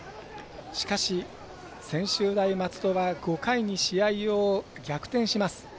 しかし、専修大松戸は５回に試合を逆転します。